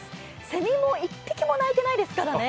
せみも１匹も鳴いてないですからね